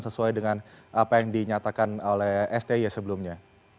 sesuai dengan apa yang dinyatakan oleh sti sebelumnya